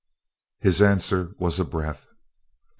His answer was a breath.